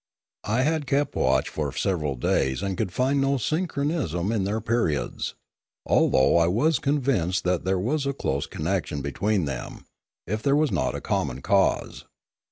I had kept watch for several days, and could find no synchronism in their periods, al though I was convinced that there was a close connec tion between them, if there was not a common cause.